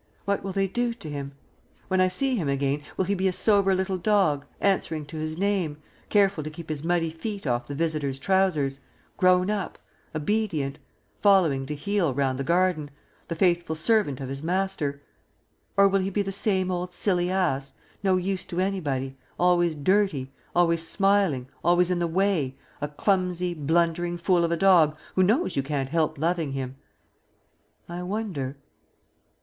What will they do to him? When I see him again, will he be a sober little dog, answering to his name, careful to keep his muddy feet off the visitor's trousers, grown up, obedient, following to heel round the garden, the faithful servant of his master? Or will he be the same old silly ass, no use to anybody, always dirty, always smiling, always in the way, a clumsy, blundering fool of a dog who knows you can't help loving him? I wonder....